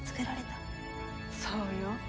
そうよ。